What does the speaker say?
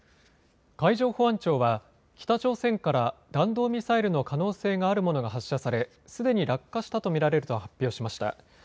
海上保安庁は北朝鮮から弾道ミサイルの可能性があるものが発射され、すでに落下したと見られると発表しました。